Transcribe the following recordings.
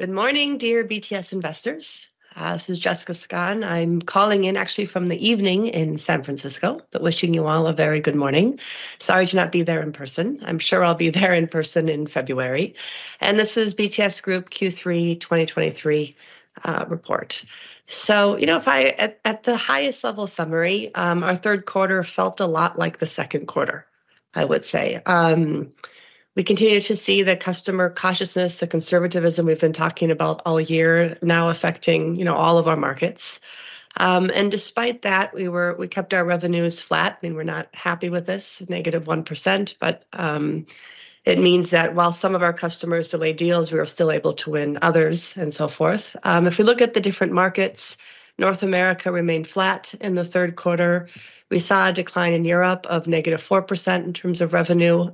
Good morning, dear BTS investors. This is Jessica Skon. I'm calling in actually from the evening in San Francisco, but wishing you all a very good morning. Sorry to not be there in person. I'm sure I'll be there in person in February, and this is BTS Group Q3 2023 report. So, you know, at the highest level summary, our third quarter felt a lot like the second quarter, I would say. We continued to see the customer cautiousness, the conservatism we've been talking about all year now affecting, you know, all of our markets. And despite that, we were—we kept our revenues flat, and we're not happy with this -1%, but it means that while some of our customers delayed deals, we were still able to win others and so forth. If you look at the different markets, North America remained flat in the third quarter. We saw a decline in Europe of -4% in terms of revenue.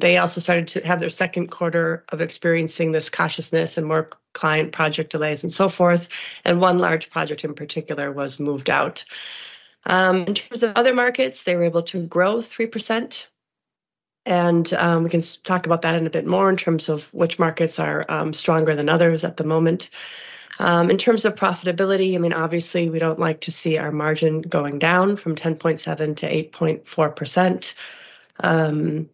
They also started to have their second quarter of experiencing this cautiousness and more client project delays and so forth, and one large project, in particular, was moved out. In terms of other markets, they were able to grow 3%, and we can talk about that in a bit more in terms of which markets are stronger than others at the moment. In terms of profitability, I mean, obviously, we don't like to see our margin going down from 10.7%-8.4%.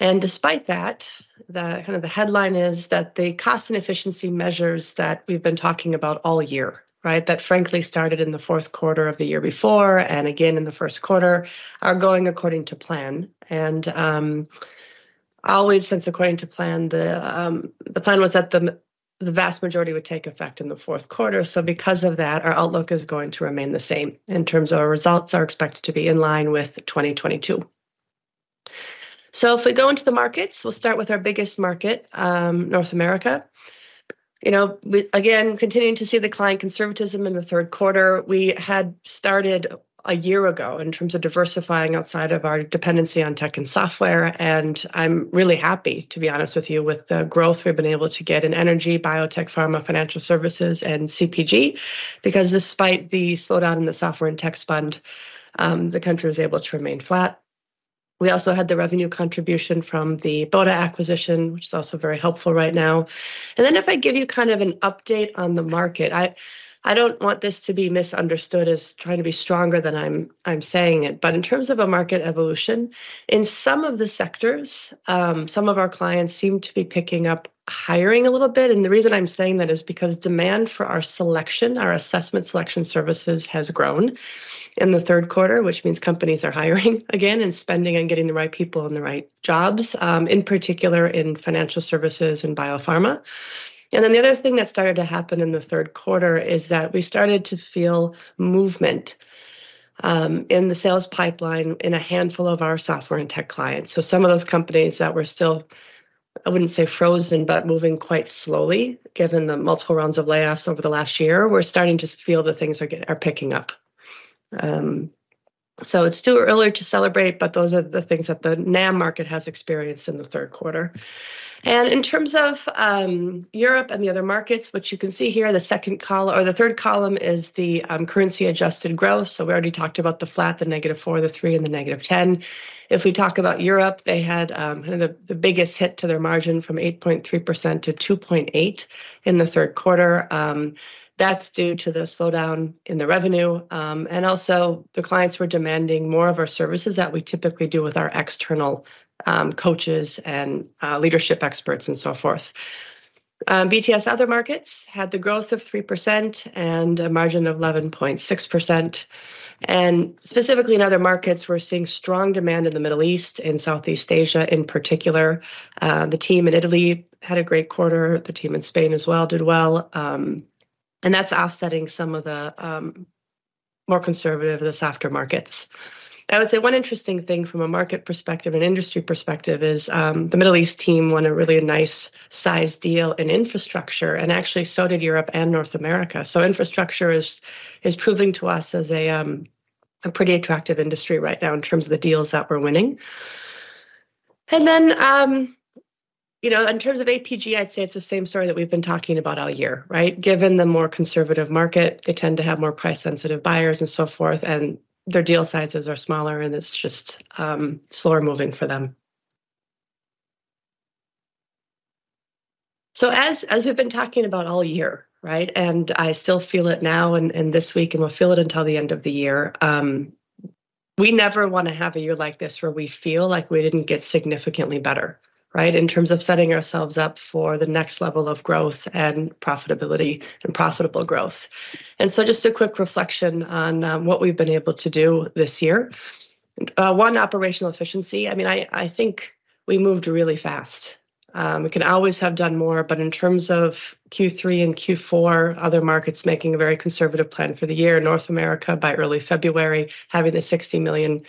And despite that, the kind of headline is that the cost and efficiency measures that we've been talking about all year, right, that frankly started in the fourth quarter of the year before and again in the first quarter, are going according to plan. And, always since according to plan, the plan was that the vast majority would take effect in the fourth quarter. So because of that, our outlook is going to remain the same in terms of our results are expected to be in line with 2022. So if we go into the markets, we'll start with our biggest market, North America. You know, we again, continuing to see the client conservatism in the third quarter. We had started a year ago in terms of diversifying outside of our dependency on tech and software, and I'm really happy, to be honest with you, with the growth we've been able to get in Energy, Biotech, Pharma, Financial Services, and CPG, because despite the slowdown in the software and tech spend, the country was able to remain flat. We also had the revenue contribution from the Boda acquisition, which is also very helpful right now. And then if I give you kind of an update on the market, I don't want this to be misunderstood as trying to be stronger than I'm saying it, but in terms of a market evolution, in some of the sectors, some of our clients seem to be picking up hiring a little bit. The reason I'm saying that is because demand for our selection, our assessment selection services, has grown in the third quarter, which means companies are hiring again and spending on getting the right people in the right jobs, in particular in Financial Services and Biopharma. Then the other thing that started to happen in the third quarter is that we started to feel movement in the sales pipeline in a handful of our software and tech clients. So some of those companies that were still, I wouldn't say frozen, but moving quite slowly, given the multiple rounds of layoffs over the last year, we're starting to feel that things are picking up. So it's too early to celebrate, but those are the things that the NAM market has experienced in the third quarter. In terms of Europe and the other markets, which you can see here, the second column or the third column is the currency-adjusted growth. We already talked about the flat, the -4, the 3, and the -10. If we talk about Europe, they had kind of the biggest hit to their margin from 8.3%-2.8% in the third quarter. That's due to the slowdown in the revenue, and also the clients were demanding more of our services that we typically do with our external coaches and leadership experts and so forth. BTS other markets had the growth of 3% and a margin of 11.6%. Specifically in other markets, we're seeing strong demand in the Middle East and Southeast Asia in particular. The team in Italy had a great quarter. The team in Spain as well did well, and that's offsetting some of the, more conservative, the softer markets. I would say one interesting thing from a market perspective and industry perspective is, the Middle East team won a really nice sized deal in infrastructure, and actually, so did Europe and North America. So infrastructure is proving to us as a, a pretty attractive industry right now in terms of the deals that we're winning. And then, you know, in terms of APG, I'd say it's the same story that we've been talking about all year, right? Given the more conservative market, they tend to have more price-sensitive buyers and so forth, and their deal sizes are smaller, and it's just, slower moving for them. So, as we've been talking about all year, right, and I still feel it now and this week, and we'll feel it until the end of the year, we never wanna have a year like this, where we feel like we didn't get significantly better, right, in terms of setting ourselves up for the next level of growth and profitability and profitable growth. And so just a quick reflection on what we've been able to do this year. One, operational efficiency. I mean, I think we moved really fast. We can always have done more, but in terms of Q3 and Q4, other markets making a very conservative plan for the year, North America, by early February, having the 60 million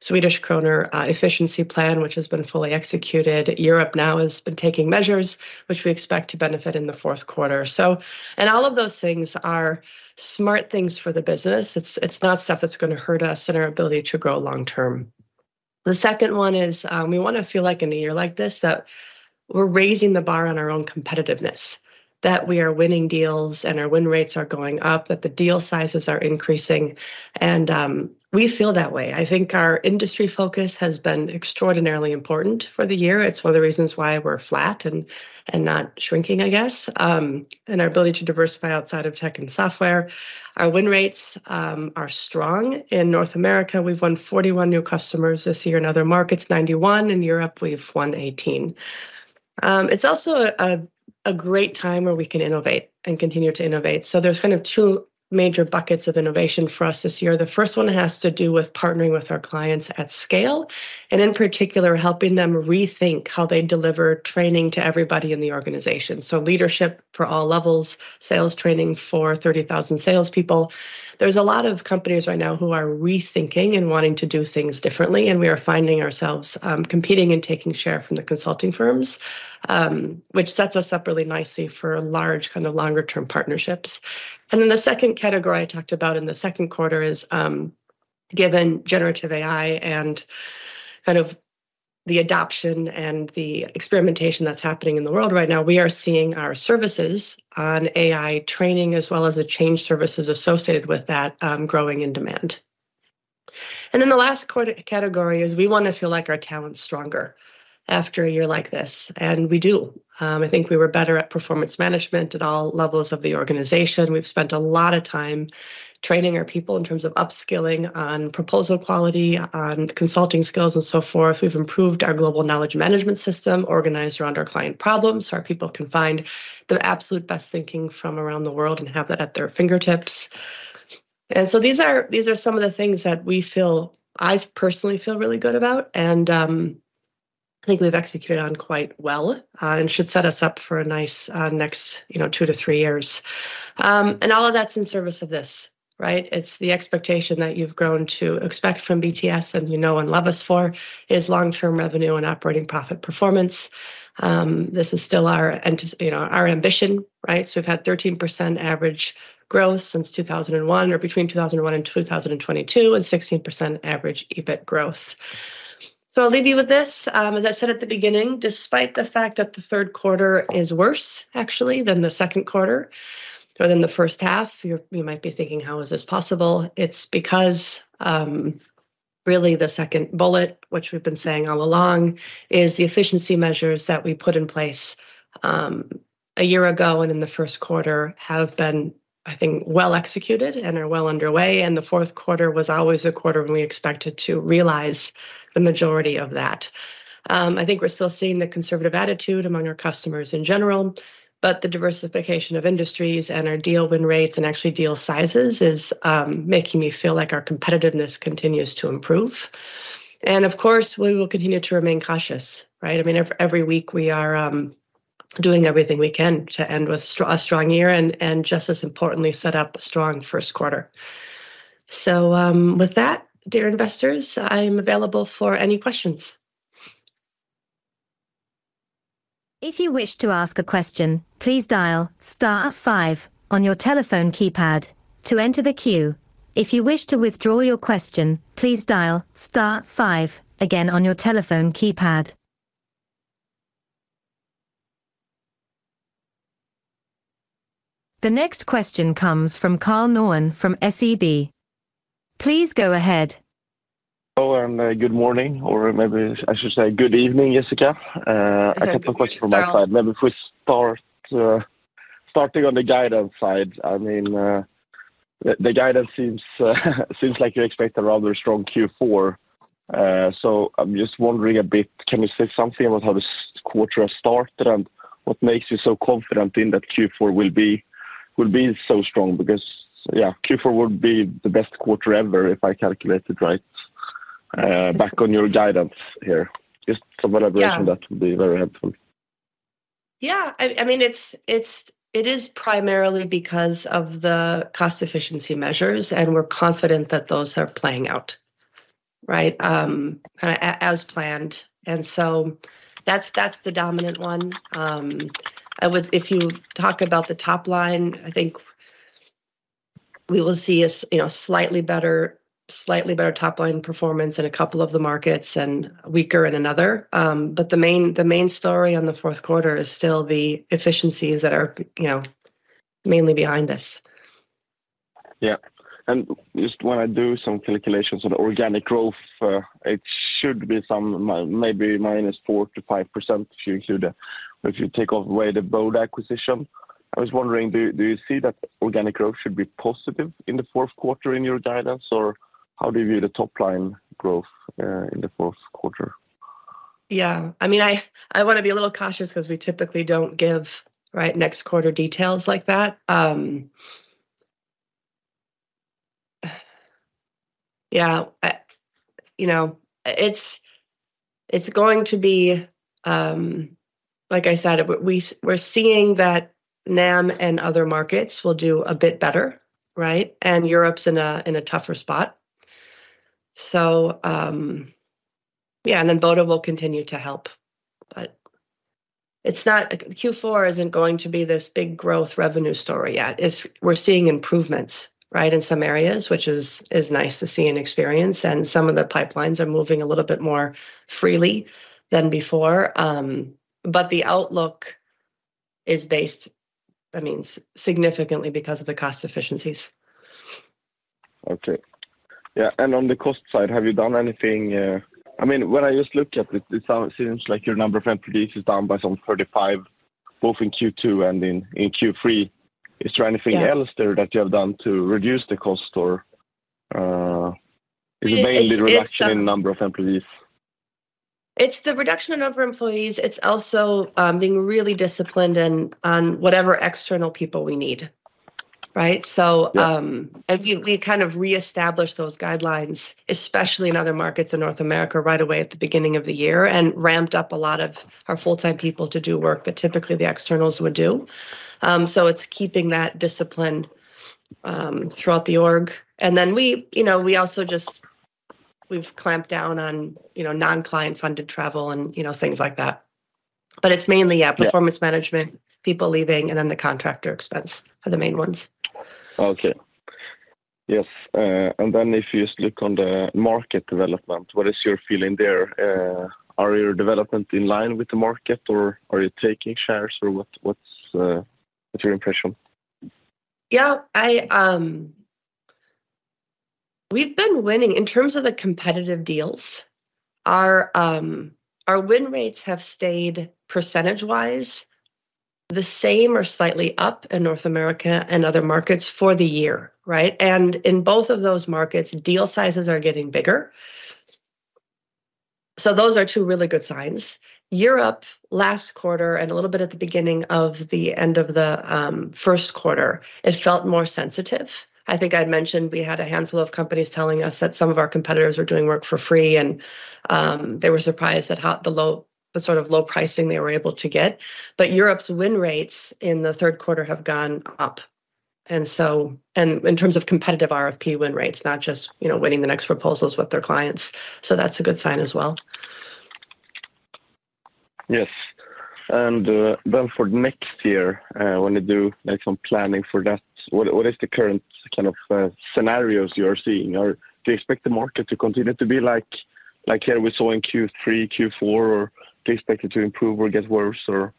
Swedish kronor efficiency plan, which has been fully executed. Europe now has been taking measures which we expect to benefit in the fourth quarter. So and all of those things are smart things for the business. It's, it's not stuff that's gonna hurt us and our ability to grow long term. The second one is, we wanna feel like in a year like this, that we're raising the bar on our own competitiveness, that we are winning deals and our win rates are going up, that the deal sizes are increasing, and we feel that way. I think our industry focus has been extraordinarily important for the year. It's one of the reasons why we're flat and not shrinking, I guess, and our ability to diversify outside of tech and software. Our win rates are strong. In North America, we've won 41 new customers this year. In other markets, 91. In Europe, we've won 18. It's also a great time where we can innovate and continue to innovate. So there's kind of two major buckets of innovation for us this year. The first one has to do with partnering with our clients at scale, and in particular, helping them rethink how they deliver training to everybody in the organization, so leadership for all levels, sales training for 30,000 salespeople. There's a lot of companies right now who are rethinking and wanting to do things differently, and we are finding ourselves competing and taking share from the consulting firms, which sets us up really nicely for large, kind of, longer term partnerships. And then the second category I talked about in the second quarter is, given generative AI and kind of the adoption and the experimentation that's happening in the world right now, we are seeing our services on AI training, as well as the change services associated with that, growing in demand. And then the last category is we wanna feel like our talent's stronger after a year like this, and we do. I think we were better at performance management at all levels of the organization. We've spent a lot of time training our people in terms of upskilling on proposal quality, on consulting skills, and so forth. We've improved our global knowledge management system, organized around our client problems, so our people can find the absolute best thinking from around the world and have that at their fingertips. And so these are, these are some of the things that we feel—I personally feel really good about, and, I think we've executed on quite well, and should set us up for a nice, next, you know, 2-3 years. And all of that's in service of this, right? It's the expectation that you've grown to expect from BTS, and you know and love us for, is long-term revenue and operating profit performance. This is still our—you know, our ambition, right? So we've had 13% average growth since 2001 or between 2001 and 2022, and 16% average EBIT growth. So I'll leave you with this. As I said at the beginning, despite the fact that the third quarter is worse, actually, than the second quarter or than the first half, you might be thinking, how is this possible? It's because, really, the second bullet, which we've been saying all along, is the efficiency measures that we put in place, a year ago and in the first quarter, have been, I think, well executed and are well underway, and the fourth quarter was always a quarter when we expected to realize the majority of that. I think we're still seeing the conservative attitude among our customers in general, but the diversification of industries and our deal win rates and actually deal sizes is making me feel like our competitiveness continues to improve. And of course, we will continue to remain cautious, right? I mean, every week, we are doing everything we can to end with a strong year and just as importantly, set up a strong first quarter. So, with that, dear investors, I am available for any questions. If you wish to ask a question, please dial star five on your telephone keypad to enter the queue. If you wish to withdraw your question, please dial star five again on your telephone keypad. The next question comes from Karl Norén from SEB. Please go ahead. Hello, and good morning, or maybe I should say good evening, Jessica. Hello, Karl. A couple questions from my side. Maybe if we start, starting on the guidance side. I mean, the guidance seems like you expect a rather strong Q4. So I'm just wondering a bit, can you say something about how this quarter has started and what makes you so confident in that Q4 will be so strong? Because, yeah, Q4 would be the best quarter ever if I calculated right, back on your guidance here. Just some elaboration- Yeah... on that would be very helpful. Yeah, it is primarily because of the cost efficiency measures, and we're confident that those are playing out, right, as planned, and so that's the dominant one. If you talk about the top line, I think we will see you know, slightly better top-line performance in a couple of the markets and weaker in another. But the main story on the fourth quarter is still the efficiencies that are you know, mainly behind this. Yeah, and just when I do some calculations on organic growth, it should be maybe -4%-5% if you take away the Boda acquisition. I was wondering, do you see that organic growth should be positive in the fourth quarter in your guidance, or how do you view the top-line growth in the fourth quarter? Yeah. I mean, I wanna be a little cautious 'cause we typically don't give, right, next quarter details like that. Yeah, you know, it's going to be, like I said, we're seeing that NAM and other markets will do a bit better, right? And Europe's in a tougher spot. So, yeah, and then Boda will continue to help, but it's not. Q4 isn't going to be this big growth revenue story yet. It's we're seeing improvements, right, in some areas, which is nice to see and experience, and some of the pipelines are moving a little bit more freely than before. But the outlook is based, that means significantly because of the cost efficiencies. Okay. Yeah, and on the cost side, have you done anything? I mean, when I just looked at it, it sounds, seems like your number of employees is down by some 35, both in Q2 and in Q3. Yeah. Is there anything else there that you have done to reduce the cost or, is it mainly? It's, it's- -reduction in number of employees? It's the reduction in number of employees. It's also, being really disciplined in, on whatever external people we need, right? Yeah. So, and we, we kind of reestablish those guidelines, especially in other markets in North America, right away at the beginning of the year, and ramped up a lot of our full-time people to do work that typically the externals would do. So it's keeping that discipline throughout the org. And then we, you know, we also just-- we've clamped down on, you know, non-client funded travel and, you know, things like that. But it's mainly, yeah- Yeah... performance management, people leaving, and then the contractor expense are the main ones. Okay. Yes, and then if you just look on the market development, what is your feeling there? Are your development in line with the market, or are you taking shares, or what, what's your impression? Yeah, I... We've been winning. In terms of the competitive deals, our our win rates have stayed percentage-wise the same or slightly up in North America and other markets for the year, right? And in both of those markets, deal sizes are getting bigger. So those are two really good signs. Europe, last quarter and a little bit at the beginning of the end of the first quarter, it felt more sensitive. I think I'd mentioned we had a handful of companies telling us that some of our competitors were doing work for free, and they were surprised at how the low, the sort of low pricing they were able to get. But Europe's win rates in the third quarter have gone up, and so, and in terms of competitive RFP win rates, not just, you know, winning the next proposals with their clients. That's a good sign as well. Yes. And then for next year, when you do, like, some planning for that, what is the current kind of scenarios you are seeing? Or do you expect the market to continue to be like, like here we saw in Q3, Q4, or do you expect it to improve or get worse, or?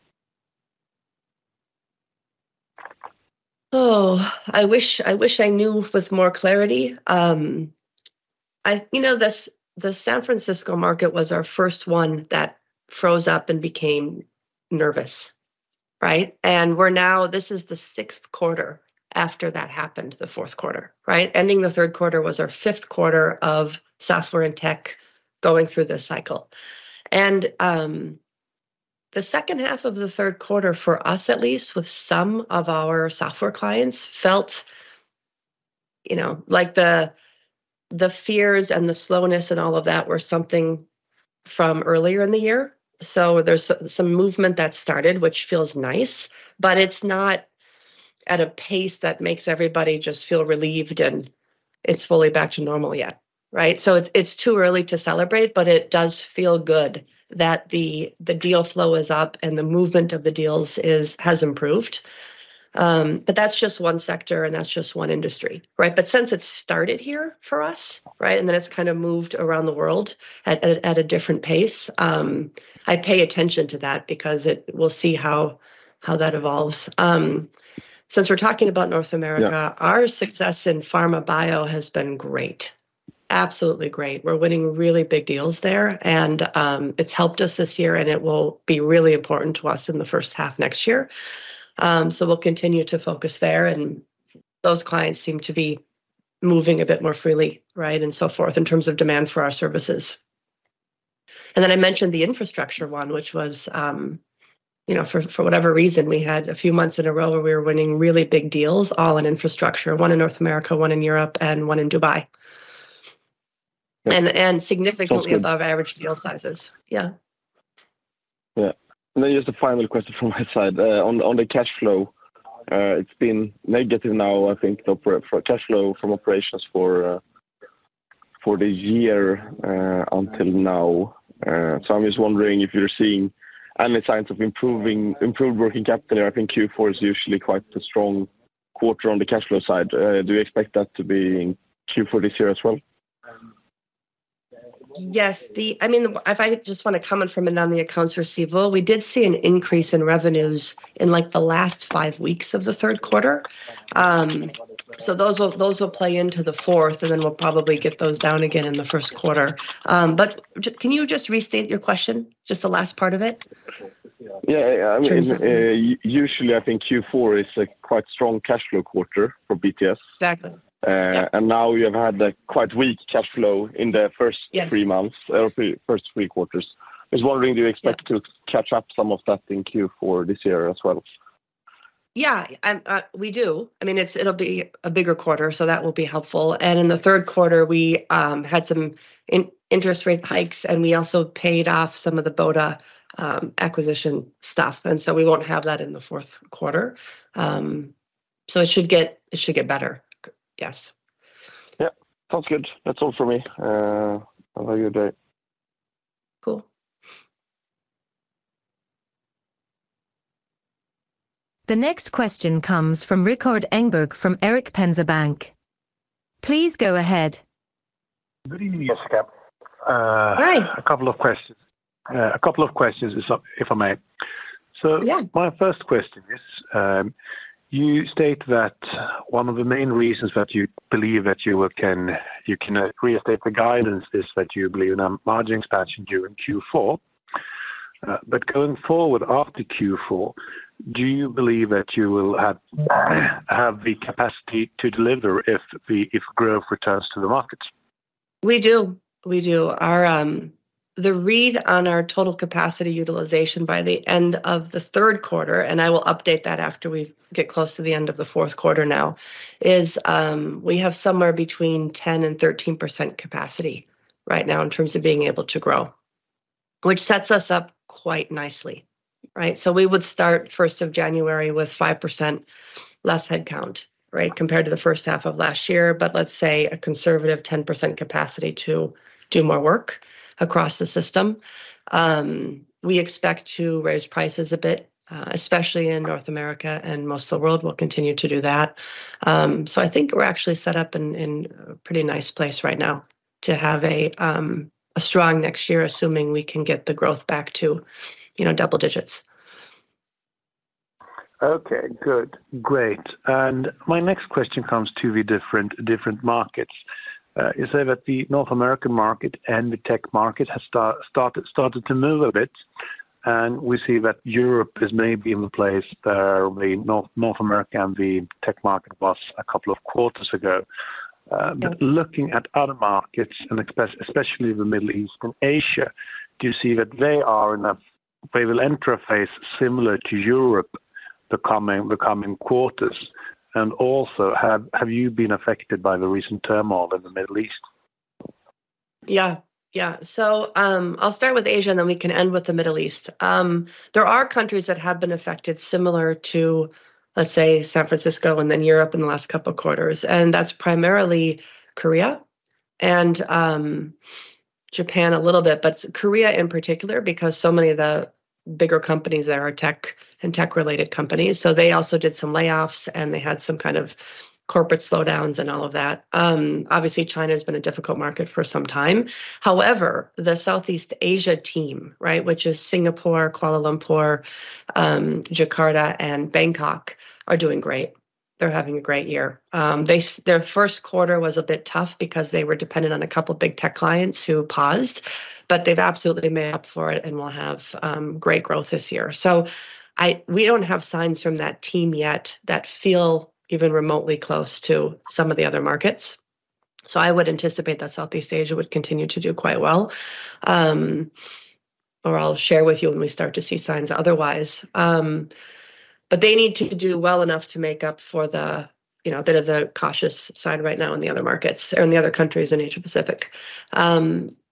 Oh, I wish, I wish I knew with more clarity. I, you know, the San Francisco market was our first one that froze up and became nervous, right? And we're now, this is the sixth quarter after that happened, the fourth quarter, right? Ending the third quarter was our fifth quarter of software and tech going through this cycle. And, the second half of the third quarter, for us at least, with some of our software clients, felt, you know, like the fears and the slowness and all of that were something from earlier in the year. So there's some movement that started, which feels nice, but it's not at a pace that makes everybody just feel relieved and it's fully back to normal yet, right? So it's too early to celebrate, but it does feel good that the deal flow is up and the movement of the deals has improved. But that's just one sector, and that's just one industry, right? But since it started here for us, right, and then it's kinda moved around the world at a different pace, I pay attention to that because it... we'll see how that evolves. Since we're talking about North America- Yeah... our success in Pharma Bio has been great, absolutely great. We're winning really big deals there, and it's helped us this year, and it will be really important to us in the first half next year. So we'll continue to focus there, and those clients seem to be moving a bit more freely, right, and so forth, in terms of demand for our services. And then I mentioned the infrastructure one, which was, you know, for whatever reason, we had a few months in a row where we were winning really big deals, all in infrastructure. One in North America, one in Europe, and one in Dubai. Yeah. Significantly above average deal sizes. Yeah. Yeah. Then just a final question from my side. On the cash flow, it's been negative now, I think, for cash flow from operations for the year until now. So I'm just wondering if you're seeing any signs of improving, improved working capital. I think Q4 is usually quite a strong quarter on the cash flow side. Do you expect that to be in Q4 this year as well? Yes, I mean, if I just want to comment from it on the accounts receivable, we did see an increase in revenues in, like, the last five weeks of the third quarter. So those will, those will play into the fourth, and then we'll probably get those down again in the first quarter. But can you just restate your question, just the last part of it? Yeah, yeah. Sure. I mean, usually, I think Q4 is a quite strong cash flow quarter for BTS. Exactly. And now you have had a quite weak cash flow in the first- Yes 3 months, or 3, first 3 quarters. I was wondering, do you expect- Yeah... to catch up some of that in Q4 this year as well? Yeah, we do. I mean, it's, it'll be a bigger quarter, so that will be helpful. And in the third quarter, we had some interest rate hikes, and we also paid off some of the Boda acquisition stuff, and so we won't have that in the fourth quarter. So it should get, it should get better. Yes. Yeah, sounds good. That's all for me. Have a good day. Cool. The next question comes from Rikard Engberg from Erik Penser Bank. Please go ahead. Good evening, Jessica. Hi. A couple of questions, if I may. Yeah. My first question is, you state that one of the main reasons that you believe that you can restate the guidance is that you believe in a margin expansion during Q4. But going forward after Q4, do you believe that you will have the capacity to deliver if growth returns to the markets? We do. We do. Our read on our total capacity utilization by the end of the third quarter, and I will update that after we get close to the end of the fourth quarter now, is we have somewhere between 10% and 13% capacity right now in terms of being able to grow, which sets us up quite nicely, right? So we would start 1st of January with 5% less headcount, right, compared to the first half of last year, but let's say a conservative 10% capacity to do more work across the system. We expect to raise prices a bit, especially in North America, and most of the world will continue to do that. I think we're actually set up in a pretty nice place right now to have a strong next year, assuming we can get the growth back to, you know, double digits. Okay, good. Great. My next question comes to the different markets. You say that the North American market and the tech market has started to move a bit, and we see that Europe is maybe in the place where the North America and the tech market was a couple of quarters ago. Yeah. But looking at other markets and especially the Middle East or Asia, do you see that they will enter a phase similar to Europe, the coming quarters? And also, have you been affected by the recent turmoil in the Middle East? Yeah. Yeah. So, I'll start with Asia, and then we can end with the Middle East. There are countries that have been affected similar to, let's say, San Francisco and then Europe in the last couple of quarters, and that's primarily Korea and, Japan a little bit, but Korea in particular, because so many of the bigger companies there are tech and tech-related companies. So they also did some layoffs, and they had some kind of corporate slowdowns and all of that. Obviously, China has been a difficult market for some time. However, the Southeast Asia team, right, which is Singapore, Kuala Lumpur, Jakarta, and Bangkok, are doing great. They're having a great year. Their first quarter was a bit tough because they were dependent on a couple of big tech clients who paused, but they've absolutely made up for it and will have great growth this year. So we don't have signs from that team yet that feel even remotely close to some of the other markets. So I would anticipate that Southeast Asia would continue to do quite well. Or I'll share with you when we start to see signs otherwise. But they need to do well enough to make up for the, you know, a bit of the cautious side right now in the other markets or in the other countries in Asia-Pacific.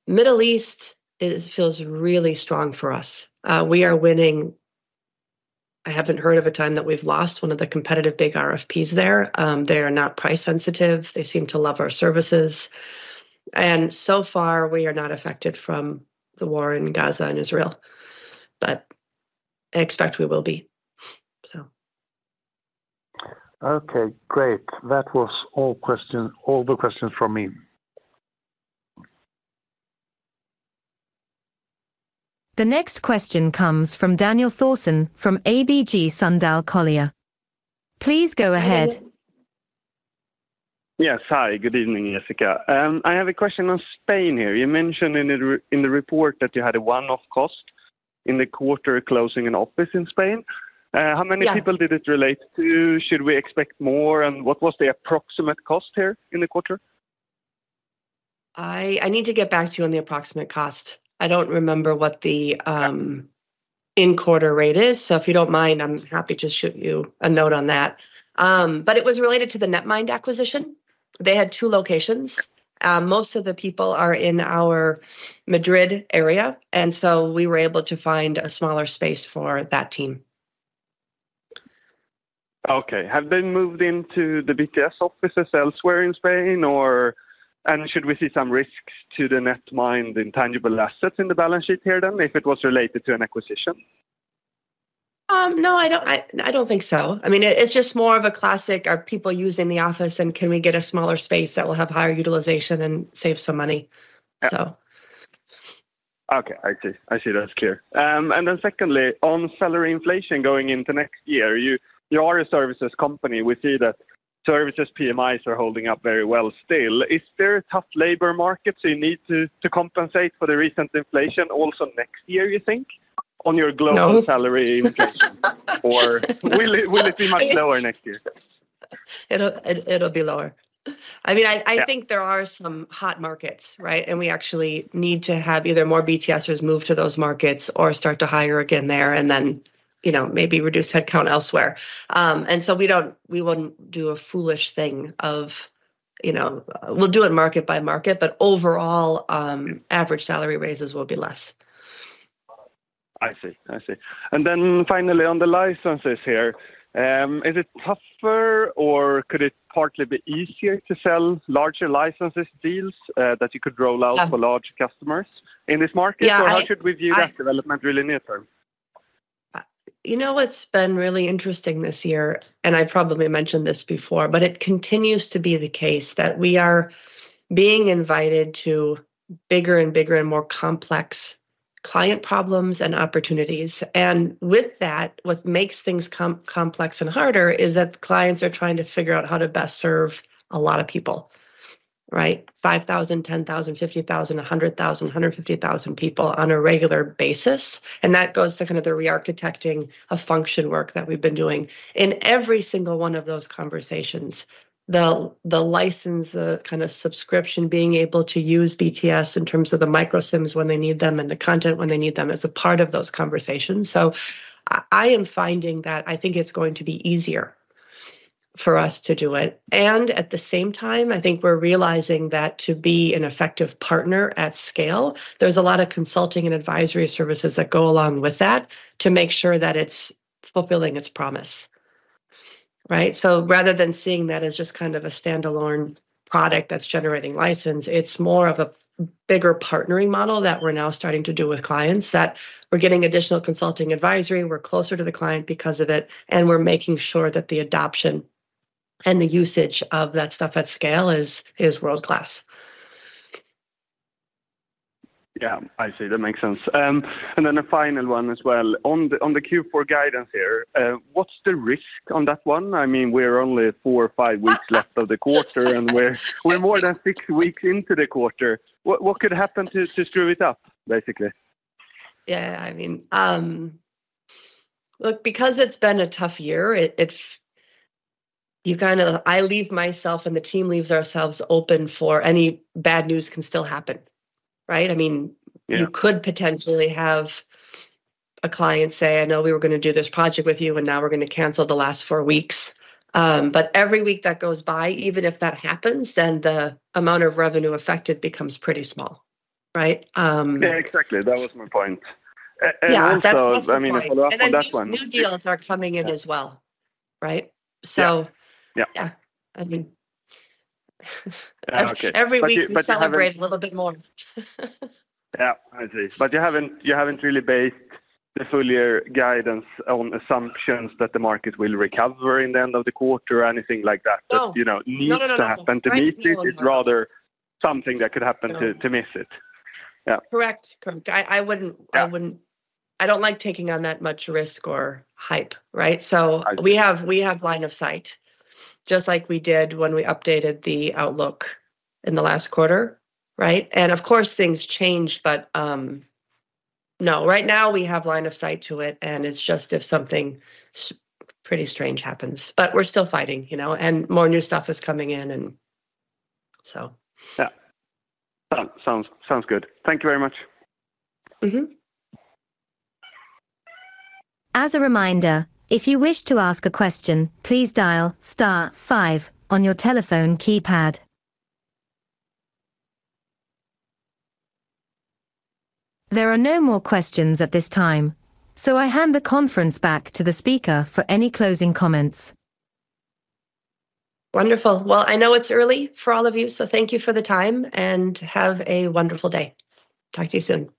Middle East feels really strong for us. We are winning. I haven't heard of a time that we've lost one of the competitive big RFPs there. They are not price sensitive. They seem to love our services, and so far we are not affected from the war in Gaza and Israel, but I expect we will be. Okay, great. That was all the questions from me. The next question comes from Daniel Thorsson from ABG Sundal Collier. Please go ahead. Yes. Hi, good evening, Jessica. I have a question on Spain here. You mentioned in the report that you had a one-off cost in the quarter, closing an office in Spain. Yeah. How many people did it relate to? Should we expect more, and what was the approximate cost here in the quarter? I need to get back to you on the approximate cost. I don't remember what the in-quarter rate is, so if you don't mind, I'm happy to shoot you a note on that. But it was related to the Netmind acquisition. They had two locations. Most of the people are in our Madrid area, and so we were able to find a smaller space for that team. Okay. Have they moved into the BTS offices elsewhere in Spain, or... And should we see some risks to the Netmind intangible assets in the balance sheet here, then, if it was related to an acquisition? No, I don't think so. I mean, it's just more of a classic, are people using the office, and can we get a smaller space that will have higher utilization and save some money? So. Okay, I see. I see. That's clear. And then secondly, on salary inflation going into next year, you are a services company. We see that services PMIs are holding up very well still. Is there a tough labor market, so you need to compensate for the recent inflation also next year, you think, on your global- No. Salary increase? Or will it be much lower next year? It'll be lower. Yeah. I mean, I think there are some hot markets, right? And we actually need to have either more BTSers move to those markets or start to hire again there and then, you know, maybe reduce headcount elsewhere. And so we don't, we wouldn't do a foolish thing of, you know... We'll do it market by market, but overall, average salary raises will be less. I see. I see. And then finally, on the licenses here, is it tougher or could it partly be easier to sell larger licenses deals, that you could roll out for large customers in this market? Yeah, I- Or how should we view that development really near term? You know what's been really interesting this year, and I probably mentioned this before, but it continues to be the case, that we are being invited to bigger and bigger and more complex client problems and opportunities. And with that, what makes things complex and harder is that clients are trying to figure out how to best serve a lot of people, right? 5,000, 10,000, 50,000, 100,000, 150,000 people on a regular basis, and that goes to kind of the re-architecting of function work that we've been doing. In every single one of those conversations, the license, the kinda subscription, being able to use BTS in terms of the micro SIMs when they need them and the content when they need them, is a part of those conversations. So I am finding that I think it's going to be easier for us to do it. And at the same time, I think we're realizing that to be an effective partner at scale, there's a lot of consulting and advisory services that go along with that to make sure that it's fulfilling its promise, right? So rather than seeing that as just kind of a standalone product that's generating license, it's more of a bigger partnering model that we're now starting to do with clients, that we're getting additional consulting advisory, we're closer to the client because of it, and we're making sure that the adoption and the usage of that stuff at scale is world-class. Yeah. I see. That makes sense. And then a final one as well. On the Q4 guidance here, what's the risk on that one? I mean, we're only four or five weeks left of the quarter, and we're more than six weeks into the quarter. What could happen to screw it up, basically? Yeah, I mean, look, because it's been a tough year, it's. You kinda, I leave myself and the team leaves ourselves open for any bad news can still happen, right? I mean- Yeah... you could potentially have a client say, "I know we were gonna do this project with you, and now we're gonna cancel the last four weeks." But every week that goes by, even if that happens, then the amount of revenue affected becomes pretty small, right? Yeah, exactly. That was my point. And so- Yeah, that's right. I mean, if I look for that one- And then new deals are coming in as well, right? Yeah. So- Yeah... yeah. I mean, - Yeah, okay. But you haven't- Every week we celebrate a little bit more. Yeah, I see. But you haven't really based the full year guidance on assumptions that the market will recover in the end of the quarter or anything like that? No. That, you know, needs to happen- No, no, no, no... to meet it. It's rather something that could happen to miss it. No. Yeah. Correct. Correct. I wouldn't- Yeah... I wouldn't, I don't like taking on that much risk or hype, right? I see. So we have line of sight, just like we did when we updated the outlook in the last quarter, right? And of course, things change, but no, right now, we have line of sight to it, and it's just if something pretty strange happens. But we're still fighting, you know, and more new stuff is coming in, and so. Yeah. Sounds good. Thank you very much. Mm-hmm. As a reminder, if you wish to ask a question, please dial star five on your telephone keypad. There are no more questions at this time, so I hand the conference back to the speaker for any closing comments. Wonderful. Well, I know it's early for all of you, so thank you for the time, and have a wonderful day. Talk to you soon.